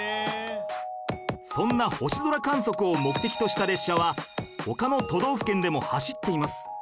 そんな星空観測を目的とした列車は他の都道府県でも走っています